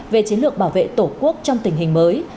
về chiến lược bảo vệ tổ quốc trong tình hình mới